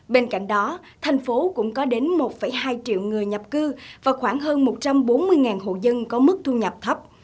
bên cạnh đó thành phố cũng có đến một hai triệu người nhập cư và khoảng hơn một trăm bốn mươi hộ dân có mức thu nhập thấp